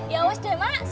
ya sudah mak